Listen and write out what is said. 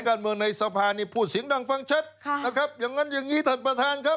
นักการเมืองในสะพานิพูดสิงห์ดังฟังเช็ดนะครับอย่างนั้นอย่างงี้ท่านประธานครับ